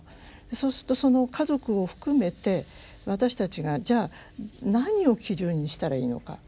そうするとその家族を含めて私たちがじゃあ何を基準にしたらいいのか。